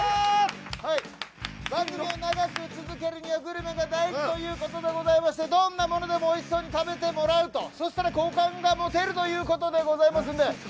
番組を長く続けるにはグルメが大事ということでございましてどんなものでもおいしそうに食べてもらうとそうしたら好感が持てるということでございますので。